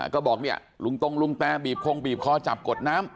ก็บอกเนี่ยลุงตรงลุงแตบีบคงบีบคอจับกดน้ำ